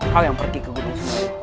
kau yang pergi ke gunung semeru